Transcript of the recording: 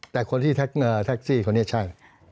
แต่คนที่แท็กซี่คนนี้ใช่